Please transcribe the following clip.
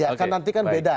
ya kan nanti kan beda